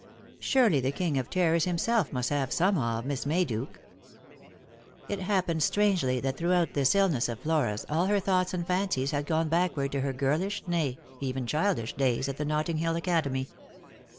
Surely the King of Terrors himself must have some awe of Miss Mayduke. It happened strangely that throughout this illness of Flora's all her thoughts and fancies had gone backward to her girlish, nay even childish, days at the Notting hill academy.